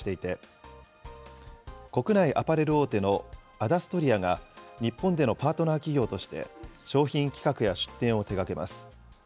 以上展開していて、国内アパレル大手のアダストリアが日本でのパートナー企業として、商品企画や出店を手がけます。